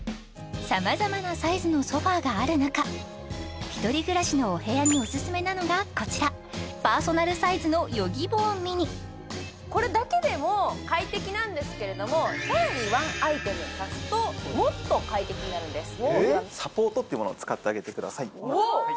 様々なサイズのソファがある中１人暮らしのお部屋にオススメなのがこちらパーソナルサイズのこれだけでも快適なんですけれどもさらにワンアイテム足すともっと快適になるんですＳｕｐｐｏｒｔってものを使ってあげてください